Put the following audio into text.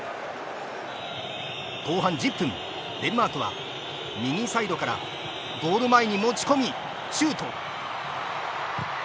後半１０分、デンマークは右サイドからゴール前にもち込みシュート。